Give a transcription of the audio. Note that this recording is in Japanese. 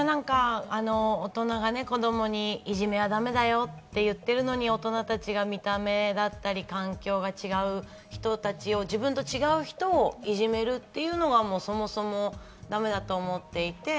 大人が子供に、いじめはダメだよって言ってるのに、大人たちが見た目だったり、環境が違う人たちを自分と違う人をいじめるっていうのは、そもそもだめだと思っていて。